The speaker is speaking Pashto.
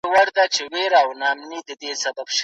خوب مي لیدلی د پسرلیو